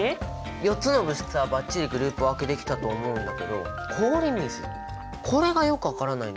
４つの物質はバッチリグループ分けできたと思うんだけど氷水これがよく分からないんだよね。